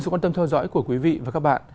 sự quan tâm theo dõi của quý vị và các bạn